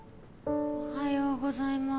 おはようございます。